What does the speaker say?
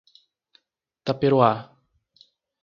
Taperoá